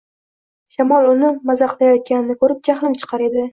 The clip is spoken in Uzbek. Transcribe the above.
Shamol uni mazaxlayotganini ko‘rib jahlim chiqar edi